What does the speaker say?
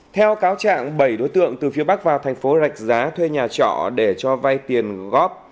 theo cáo trạng bảy đối tượng từ phía bắc vào thành phố rạch giá thuê nhà trọ để cho vay tiền góp